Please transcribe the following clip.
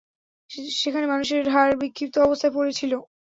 সেখানে মানুষের হাড় বিক্ষিপ্ত অবস্থায় পড়ে ছিল।